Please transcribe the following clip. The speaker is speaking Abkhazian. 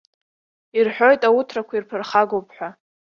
Ирҳәоит ауҭрақәа ирԥырхагоуп ҳәа.